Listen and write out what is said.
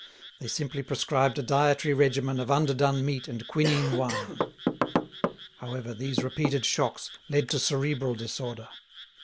They simply prescribed a dietary regimen of underdone meat and quinine wine. However, these repeated shocks led to cerebral disorder.